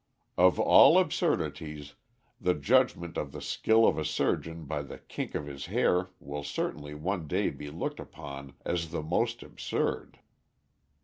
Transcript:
Of all absurdities, the judgment of the skill of a surgeon by the kink of his hair will certainly one day be looked upon as the most absurd.